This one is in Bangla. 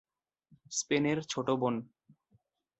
স্পেনের ছোট বোন।